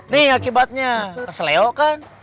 nih akibatnya kesel eo kan